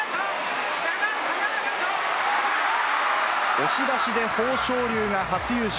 押し出しで豊昇龍が初優勝。